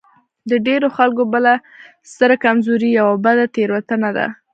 د ډېرو خلکو بله ستره کمزوري يوه بده تېروتنه ده.